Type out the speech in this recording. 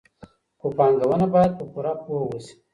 خو پانګونه باید په پوره پوهه وشي.